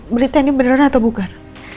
berita ini beneran atau bukan